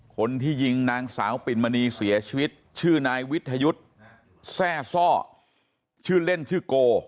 คนที่ยิงนางสาวปิ่นมณีเสียชีวิตชื่อนายวิทยุทธ์แทร่ซ่อชื่อเล่นชื่อโก